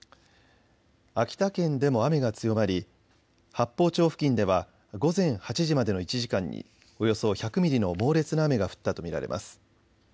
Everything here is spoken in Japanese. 秋田県でも雨が強まり八峰町付近では午前８時までの１時間におよそ１００ミリの猛烈な雨が降ったと見られます。